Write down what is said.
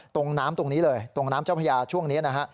ตรงน้ำตรงนี้เลยตรงน้ำเจ้าพญาช่วงนี้นะฮะ